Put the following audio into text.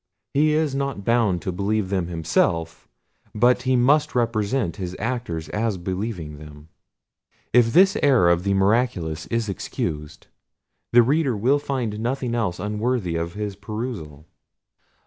He is not bound to believe them himself, but he must represent his actors as believing them. If this air of the miraculous is excused, the reader will find nothing else unworthy of his perusal.